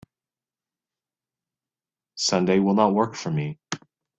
Sunday will not work for me.